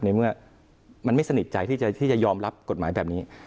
ในเมื่อมันไม่สนิทใจที่จะยอมรับกฎหมายแบบนี้